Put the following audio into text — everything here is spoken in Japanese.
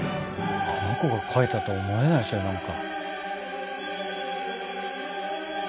あの子が描いたとは思えないですねなんか。